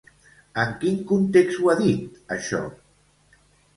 En quin context ho ha dit, això?